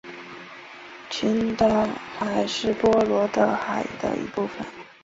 群岛海是波罗的海的一部份。